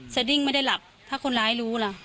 สดิ้งไม่ได้หลับถ้าคนร้ายรู้ล่ะ